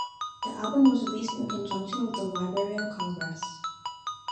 The album was released in conjunction with the Library of Congress.